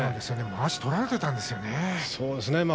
そうですよね